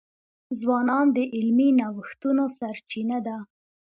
ځوانان د علمي نوښتونو سرچینه ده.